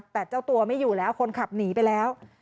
แต่เจ้าตัวไม่อยู่แล้วคนขับหนีไปแล้ว